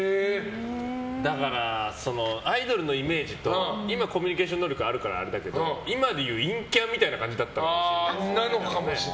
だからアイドルのイメージと今はコミュニケーション能力があるから、あれだけど今でいう陰キャみたいなそうかもしれない。